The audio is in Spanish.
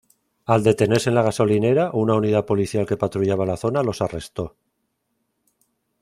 Al detenerse en la gasolinera, una unidad policial que patrullaba la zona los arrestó.